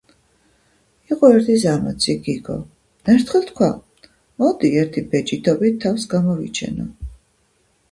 იყო ერთი ზარმაცი გიგო. ერთხელ თქვა: მოდი, ერთი ბეჯითობით თავს გამოვიჩენო